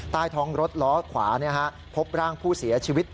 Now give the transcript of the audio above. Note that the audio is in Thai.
ใต้ท้องรถล้อขวาพบร่างผู้เสียชีวิต